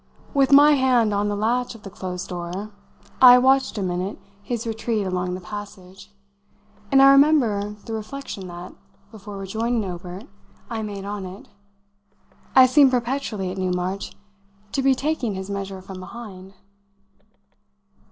With my hand on the latch of the closed door I watched a minute his retreat along the passage, and I remember the reflection that, before rejoining Obert, I made on it. I seemed perpetually, at Newmarch, to be taking his measure from behind.